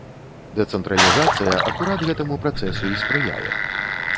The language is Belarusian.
Дэцэнтралізацыя акурат гэтаму працэсу і спрыяе.